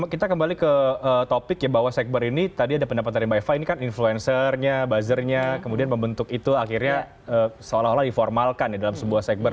kita kembali ke topik bahwa segbar ini tadi ada pendapat dari mbak eva ini kan influencer nya buzzer nya kemudian membentuk itu akhirnya seolah olah diformalkan dalam sebuah segbar